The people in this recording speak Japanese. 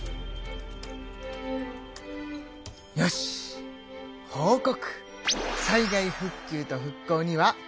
よし報告。